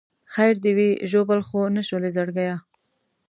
خیر دې وي ژوبل خو نه شولې زړګیه.